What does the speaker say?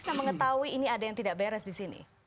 bisa mengetahui ini ada yang tidak beres di sini